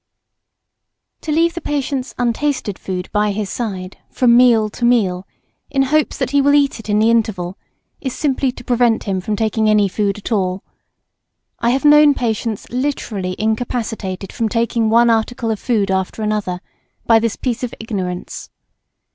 ] To leave the patient's untasted food by his side, from meal to meal, in hopes that he will eat it in the interval is simply to prevent him from taking any food at all. I have known patients literally incapacitated from taking one article of food after another, by this piece of ignorance.